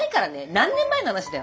何年前の話だよ。